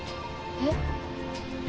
えっ？